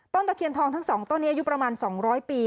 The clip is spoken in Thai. ตะเคียนทองทั้ง๒ต้นนี้อายุประมาณ๒๐๐ปี